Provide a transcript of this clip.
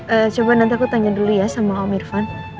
eh coba nanti aku tanya dulu ya sama om irfan